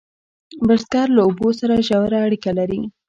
بزګر له اوبو سره ژوره اړیکه لري